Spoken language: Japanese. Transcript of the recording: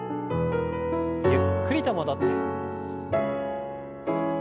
ゆっくりと戻って。